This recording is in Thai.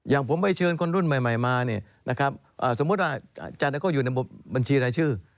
อย่างผมไปเชิญคนรุ่นใหม่มาสมมุติว่าจะอยู่ในบัญชีรายชื่อ